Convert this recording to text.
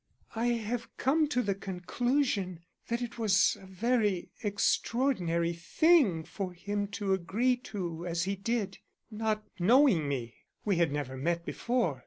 I have come to the conclusion that it was a very extraordinary thing for him to agree to as he did, not knowing me we had never met before.